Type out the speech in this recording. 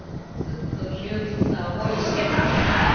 ずっと窮屈な思いしてたんでな！